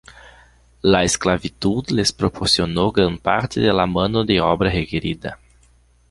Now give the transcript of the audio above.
La esclavitud les proporcionó gran parte de la mano de obra requerida.